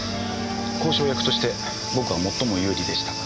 交渉役として僕は最も有利でしたから。